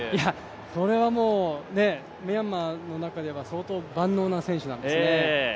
これはもう、ミャンマーの中では相当万能な選手なんですね。